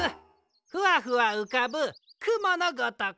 ふわふわうかぶくものごとく。